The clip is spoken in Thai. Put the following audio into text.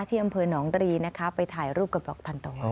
อำเภอหนองรีนะคะไปถ่ายรูปกับดอกทันตะวัน